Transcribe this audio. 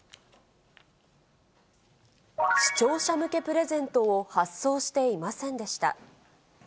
視聴者向けプレゼントを発送していませんでした。